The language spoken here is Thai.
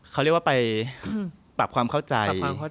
เขาเรียกว่าไปปรับความเข้าใจ